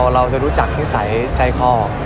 เราจะรู้จักนิสัยใจคอ